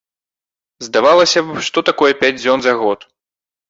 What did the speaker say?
Здавалася б, што такое пяць дзён за год?